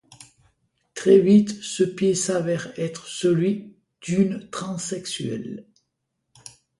Très vite ce pied s'avère être celui d'une transsexuelle.